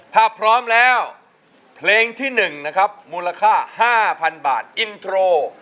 ถ้าพร้อมแล้วเพลงที่หนึ่งนะครับมูลค่าห้าพันบาทอินโทร